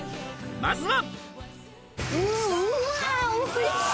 まずは。